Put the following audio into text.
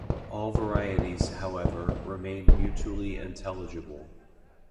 All varieties, however, remain mutually intelligible.